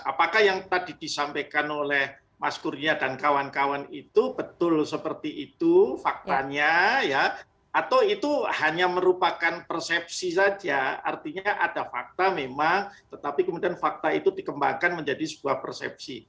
apakah yang tadi disampaikan oleh mas kurnia dan kawan kawan itu betul seperti itu faktanya ya atau itu hanya merupakan persepsi saja artinya ada fakta memang tetapi kemudian fakta itu dikembangkan menjadi sebuah persepsi